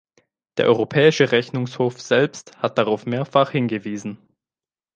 Der Europäische Rechnungshof selbst hat darauf mehrfach hingewiesen.